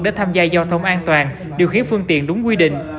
để tham gia giao thông an toàn điều khiển phương tiện đúng quy định